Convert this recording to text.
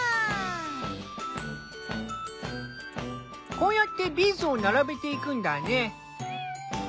こうやってビーズを並べていくんだね。